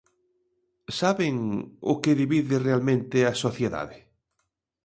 ¿Saben o que divide realmente a sociedade?